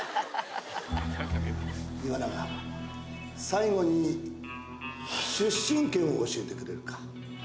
岩永最後に出身県を教えてくれるか？